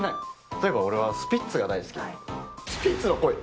例えば、俺はスピッツが大好き。